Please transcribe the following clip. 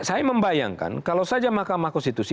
saya membayangkan kalau saja mahkamah konstitusi